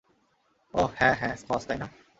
অহ, হ্যাঁ, হ্যাঁ - স্কচ, তাই না?